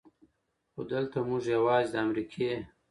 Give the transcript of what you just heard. خو دلته مونږ يواځې د امريکې